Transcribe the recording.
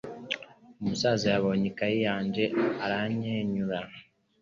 Umusaza yabonye ikaye yanjye aranyenyura.